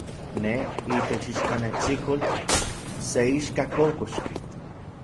Ne, itech ichkanechikol, se ixka kokoxki.